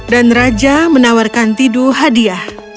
dan raja menawarkan tidu hadiah